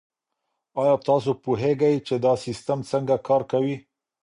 آیا تاسو پوهیږئ چي دا سیستم څنګه کار کوي؟